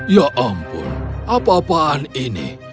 ya ampun apa apaan ini